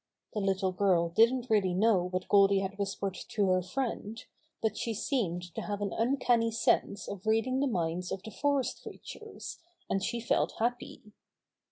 The little girl didn't really know what Goldy had whispered to her friend, but she seemed to have an uncanny sense of reading the minds of the forest creatures, and she felt happy.